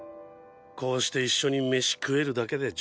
こうして一緒に飯食えるだけで十分。